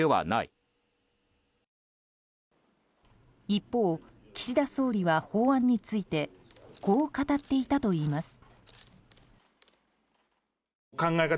一方、岸田総理は法案についてこう語っていたといいます。